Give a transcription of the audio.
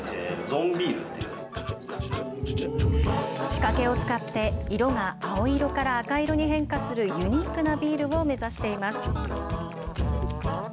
仕掛けを使って、色が青色から赤色に変化するユニークなビールを目指しています。